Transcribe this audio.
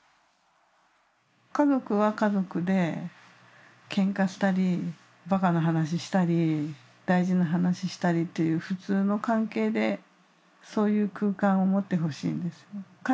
家族は家族でケンカしたりバカな話したり大事な話したりっていう普通の関係でそういう空間を持ってほしいんです。